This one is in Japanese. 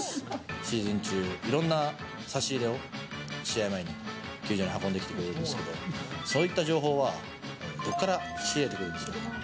シーズン中、いろんな差し入れを試合前に球場に運んできてくれるんですけど、そういった情報は、どこから仕入れてくるんでしょうか？